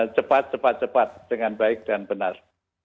cepat cepat dengan baik dan benar